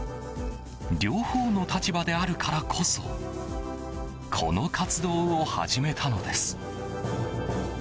両方の立場であるからこそこの活動を始めたのです。